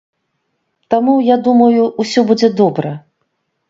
Таму, я думаю, усё будзе добра.